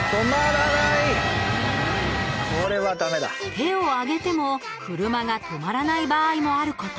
手を上げても、車が止まらない場合もあること。